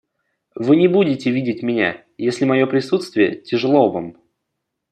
Вы не будете видеть меня, если мое присутствие тяжело вам.